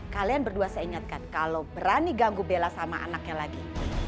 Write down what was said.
kalian berdua saya ingatkan kalau berani ganggu bela sama anaknya lagi